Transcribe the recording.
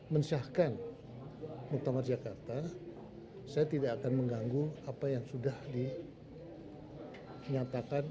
mencahkan muktamar jakarta saya tidak akan mengganggu apa yang sudah dinyatakan